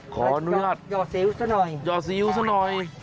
ขออนุญาตเสร็จราวหย่อสิวซะหน่อย